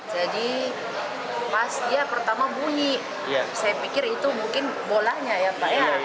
jadi pas dia pertama bunyi saya pikir itu mungkin bolanya ya pak ya